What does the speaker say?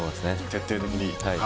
徹底的に。